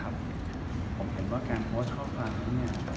ผมเห็นว่าการโพสต์ข้อความนี้